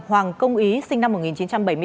hoàng công ý sinh năm một nghìn chín trăm bảy mươi tám